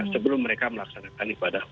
sebelum mereka melaksanakan ibadah